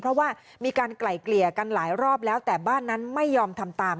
เพราะว่ามีการไกล่เกลี่ยกันหลายรอบแล้วแต่บ้านนั้นไม่ยอมทำตาม